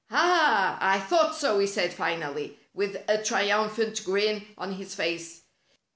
" Ah! I thought so," he said finally, with a triumphant grin on his face.